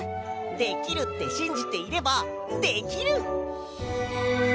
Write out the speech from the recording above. できるってしんじていればできる！